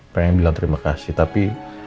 pengen bilang terima kasih tapi